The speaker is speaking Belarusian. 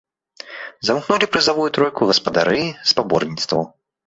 Замкнулі прызавую тройку гаспадары спаборніцтваў.